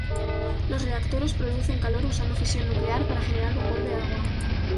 Los reactores producen calor usando fisión nuclear para generar vapor de agua.